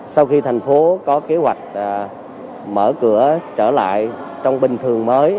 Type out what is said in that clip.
sau khi thành phố có kế hoạch mở cửa trở lại trong bình thường mới